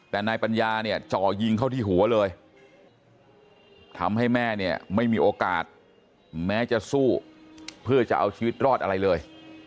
แต่นายปัญญาเนี่ยจ่อยิงเข้าที่หัวเลยทำให้แม่เนี่ยไม่มีโอกาสแม้จะสู้เพื่อจะเอาชีวิตรอดอะไรเลย